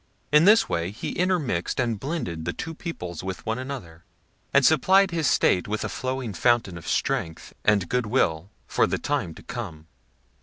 In this way he intermixed and blended the two peoples with one another, and supplied his state with a flowing fountain of strength and good will for the time to come.